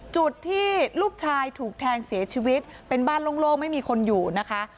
จุดที่ลูกชายถูกแทงเสียชีวิตเป็นบ้านโล่งไม่มีคนอยู่นะคะ